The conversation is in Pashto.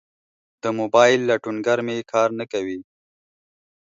د موبایل لټونګر می کار نه کوي